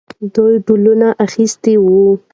دوی ډالونه اخیستي وو.